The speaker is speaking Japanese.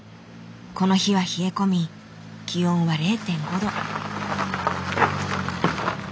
この日は冷え込み気温は０．５度。